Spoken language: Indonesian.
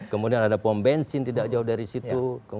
kemudian ada pom bensin tidak jauh dari situ